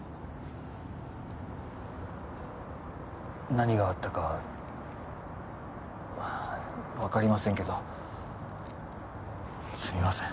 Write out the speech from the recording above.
何があったかわかりませんけどすみません。